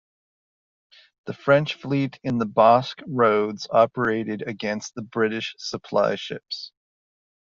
The French fleet in the Basque Roads operated against the British supply ships.